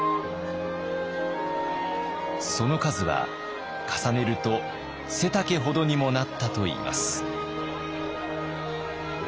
その数は重ねると背丈ほどにもなったといいます。